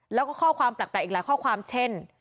แล้วก็ข้อความแปลกอีกหลายข้อความเช่น